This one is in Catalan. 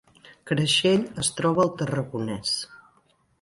Creixell es troba al Tarragonès